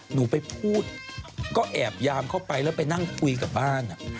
หนูไปพูดก็แอบยามเข้าไปแล้วไปนั่งคุยกับบ้าน